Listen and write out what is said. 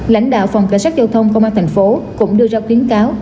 lãnh đạo phòng cảnh sát giao thông công an tp hcm cũng đưa ra khuyến cáo